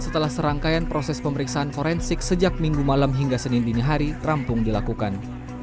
setelah serangkaian proses pemeriksaan forensik sejak minggu malam hingga senin dini hari rampung dilakukan